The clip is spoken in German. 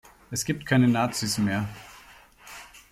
Es gibt keine Nazis mehr.